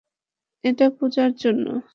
এটা পূজার জন্য।